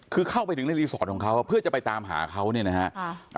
คือเข้าไปถึงในรีสอร์ทของเขาเพื่อจะไปตามหาเขาเนี่ยนะฮะ